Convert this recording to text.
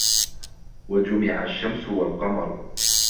وَجُمِعَ الشَّمْسُ وَالْقَمَرُ